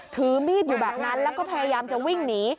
ถือมีดอยู่แบบนั้นแล้วก็พยายามจะวิ่งหนี